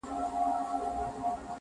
• په افغان وطن کي شان د جنتو دی,